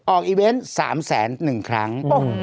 ออกอีเวนต์๓๐๐๐๐๐หนึ่งครั้ง